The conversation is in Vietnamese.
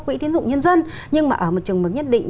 quỹ tiến dụng nhân dân nhưng mà ở một trường mực nhất định